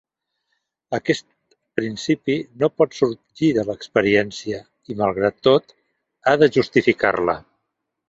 Aquest principi no pot sorgir de l'experiència, i malgrat tot, ha de justificar-la.